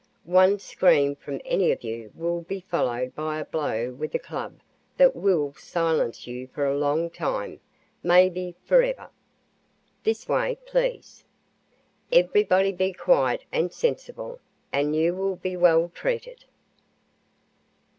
One scream from any of you will be followed by a blow with a club that will silence you for a long time maybe, forever. This way, please. Everybody be quiet and sensible, and you will be well treated."